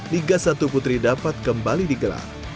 liga satu putri dapat kembali di gelar